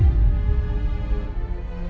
aku mau masuk kamar dulu